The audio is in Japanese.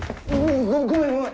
ごめんごめん！